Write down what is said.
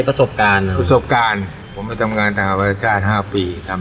ประสบการณ์ประสบการณ์ผมไม่ทำงานต่างกับประชาติห้าปีทำ